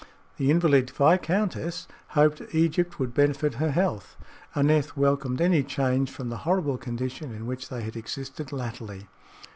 The invalid viscountess hoped Egypt would benefit her health. Aneth welcomed any change from the horrible condition in which they had existed latterly.